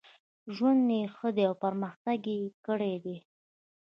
ژوند یې ښه دی او پرمختګ یې کړی دی.